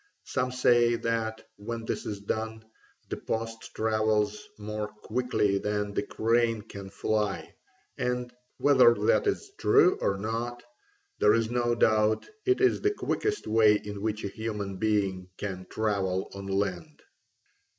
Some say that, when this is done, the post travels more quickly than the crane can fly, and, whether that is true or not, there is no doubt it is the quickest way in which a human being can travel on land.